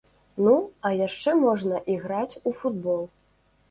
Ну, а яшчэ можна іграць у футбол.